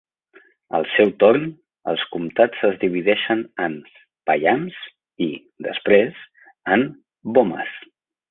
Al seu torn, els comtats es divideixen en "Payams" i, després, en "Bomas".